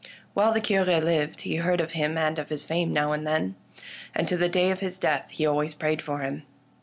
While the Cure lived he heard of him and of his fame now and then, and to the day of his death he always prayed for him.